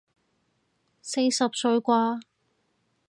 四十歲啩